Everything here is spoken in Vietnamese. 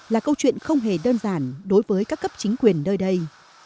là câu chuyện không hề đơn giản đối với các cấp chính quyền nơi đây